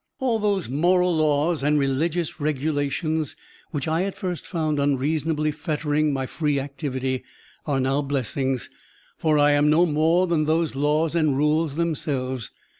All those moral laws and religious regulations which I at first found unreasonably fettering my free activity are now blessings, for I am no more than those laws and rules themselves.